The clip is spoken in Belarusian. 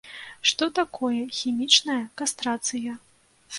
Што такое хімічная кастрацыя?